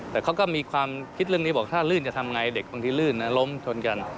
แต่เขาก็มีความคิดเรื่องนี้บอกถ้าลื่นจะทำไงเด็กบางทีลื่นนะล้มชนกัน